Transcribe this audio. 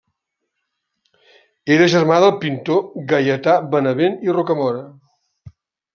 Era germà del pintor Gaietà Benavent i Rocamora.